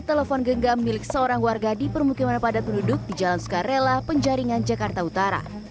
telepon genggam milik seorang warga di permukiman padat penduduk di jalan sukarela penjaringan jakarta utara